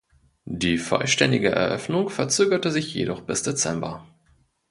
Die vollständige Eröffnung verzögerte sich jedoch bis Dezember.